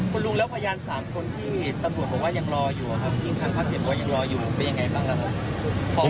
คุณลุงแล้วพยานสามคนที่ตะบุดผมว่ายังรออยู่อะครับ